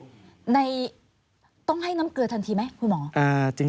ต้องให้น้ำเกลือทันทีไหมคุณหมอ